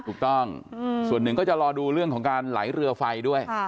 ถูกต้องส่วนหนึ่งก็จะรอดูเรื่องของการไหลเรือไฟด้วย